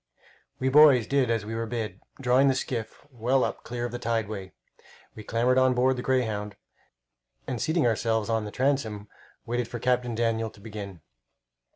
We boys did as we were bid, drawing the skiff well up clear of the tideway. We clambered on board the Greyhound and, seating ourselves or the transom, waited for Captain Daniel to begin.